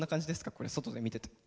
これ、外で見てて。